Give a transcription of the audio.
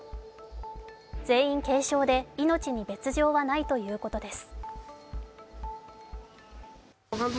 全員軽症で命に別状ないということです。